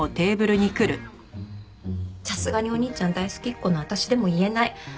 さすがにお兄ちゃん大好きっ子の私でも言えない。